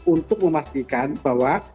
untuk memastikan bahwa